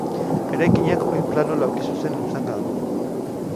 Eraikinak oinplano laukizuzen luzanga du.